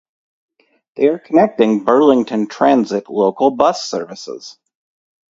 There are connecting Burlington Transit local bus services.